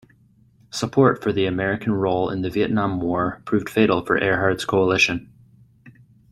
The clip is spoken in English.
Support for the American role in the Vietnam War proved fatal for Erhard's coalition.